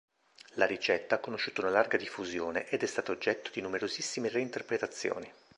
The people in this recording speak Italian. La ricetta ha conosciuto una larga diffusione ed è stata oggetto di numerosissime reinterpretazioni.